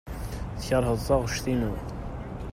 Tkeṛheḍ taɣect-inu.